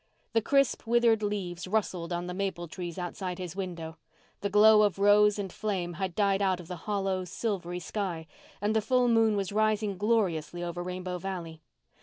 The crisp, withered leaves rustled on the maple trees outside his window. The glow of rose and flame had died out of the hollow, silvery sky, and the full moon was rising gloriously over Rainbow Valley.